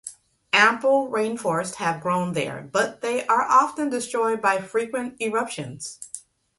Ample rainforests have grown there, but they are often destroyed by frequent eruptions.